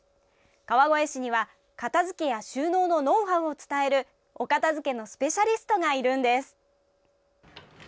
川越市には片づけや収納のノウハウを伝えるお片づけのスペシャリストがいるんです。